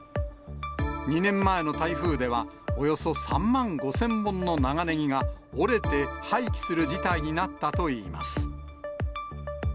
２年前の台風では、およそ３万５０００本の長ネギが折れて、廃棄する事態になったといいます。